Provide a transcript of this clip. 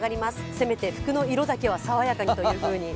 せめて服の色だけは、さわやかにというふうに。